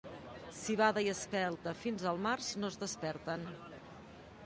Civada i espelta fins al març no es desperten.